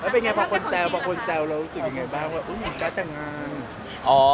เป็นยังไงบอกคนแซวเรารู้สึกยังไงบ้างว่า